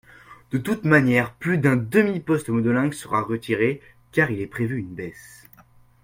De toutes manières plus d’un demi poste monolingue sera retiré car il est prévu une baisse.